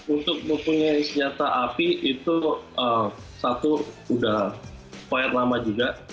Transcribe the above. untuk memiliki senjata api itu satu sudah lama juga